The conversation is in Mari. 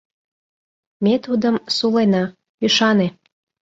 Ме тудым сулена, ӱшане.